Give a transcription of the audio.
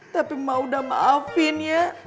tapi mau udah maafin ya